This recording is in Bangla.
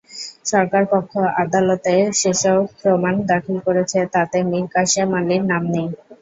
সরকারপক্ষ আদালতে যেসব প্রমাণ দাখিল করেছে, তাতে মীর কাসেম আলীর নাম নেই।